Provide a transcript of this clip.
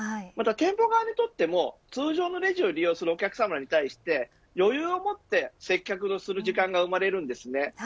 また店舗側にとっても、通常のレジを利用するお客さまに対して余裕を持って接客をする時間が生まれます。